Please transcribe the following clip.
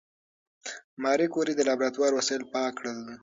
ماري کوري د لابراتوار وسایل پاک کړل.